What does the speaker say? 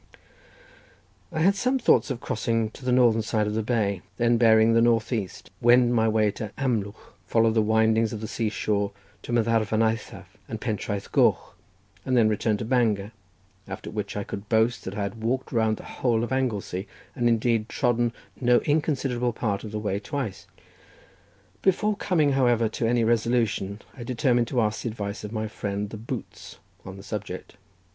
I had some thoughts of crossing to the northern side of the bay, then, bearing to the north east, wend my way to Amlwch, follow the windings of the sea shore to Mathafarn eithaf and Pentraeth Coch, and then return to Bangor, after which I could boast that I had walked round the whole of Anglesey, and indeed trodden no inconsiderable part of the way twice. Before coming, however, to any resolution I determined to ask the advice of my friend the boots on the subject.